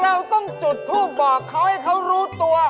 เราต้องจุดทูปบอกเขาให้เขารู้ตัว